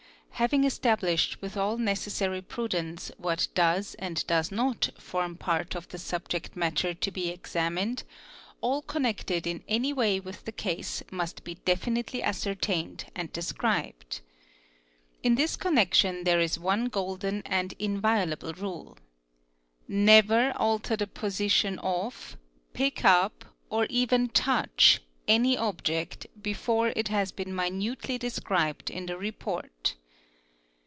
Having established with all necessary prudence what does and does not form part of the subject matter to be examined, all connected in any way with the case must be definitely ascertained and described. In this connection there is one golden and inviolable rule :—Never alter the position of, pick wp, or even touch any olject before it has been minutely described in the report.